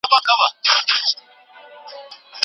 له امام احمد رحمه الله څخه دوه روايتونه را نقل سوي دي.